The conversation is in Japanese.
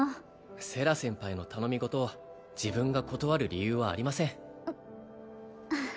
セラ先輩の頼み事を自分が断る理由はありませんはあ